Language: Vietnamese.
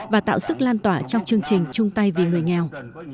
và tạo sức lan tỏa trong chương trình chung tay vì người nghèo